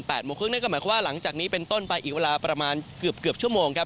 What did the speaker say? นั่นก็หมายความว่าหลังจากนี้เป็นต้นไปอีกเวลาประมาณเกือบเกือบชั่วโมงครับ